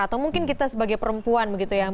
atau mungkin kita sebagai perempuan begitu ya